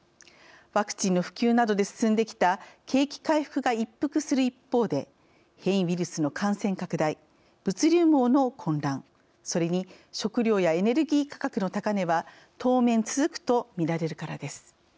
ワクチンの普及などで進んできた景気回復が一服する一方で変異ウイルスの感染拡大物流網の混乱、それに食料やエネルギー価格の高値は当面、続くとみられるからです。